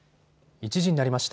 １時になりました。